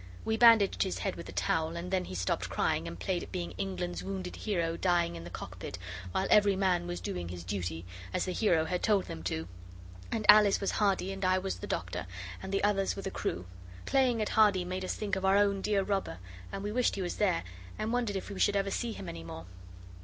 We bandaged his head with a towel, and then he stopped crying and played at being England's wounded hero dying in the cockpit, while every man was doing his duty, as the hero had told them to, and Alice was Hardy, and I was the doctor, and the others were the crew. Playing at Hardy made us think of our own dear robber, and we wished he was there, and wondered if we should ever see him any more.